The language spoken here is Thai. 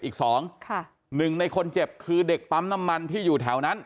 อีก๒ในคนเจ็บคือเด็กปั๊มน้ำมันที่อยู่แถวนั้น